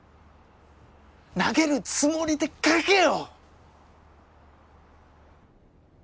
投げるつもりで書けよ！